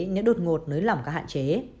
nếu đột ngột nới lỏng các hạn chế